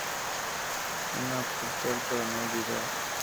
Una postal para no olvidar.